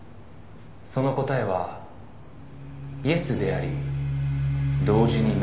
「その答えはイエスであり同時にノーでもある」